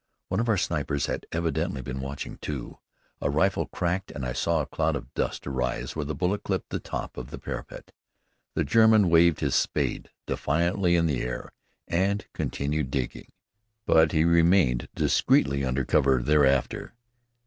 One of our snipers had evidently been watching, too. A rifle cracked and I saw a cloud of dust arise where the bullet clipped the top of the parapet. The German waved his spade defiantly in the air and continued digging; but he remained discreetly under cover thereafter.